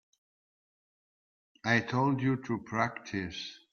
I told you to practice.